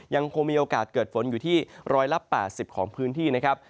ยังคงมีโอกาสเกิดฝนอยู่ที่๑๘๐ของพื้นที่นะครับ